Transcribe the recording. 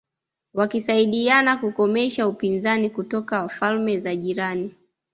wakisaidiana kukomesha upinzani kutoka falme za jirani